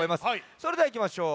それではいきましょう。